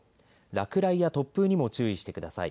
落雷や突風にも注意してください。